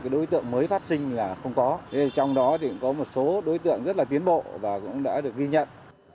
đối tượng mới phát sinh là không có trong đó có một số đối tượng rất tiến bộ và cũng đã được ghi nhận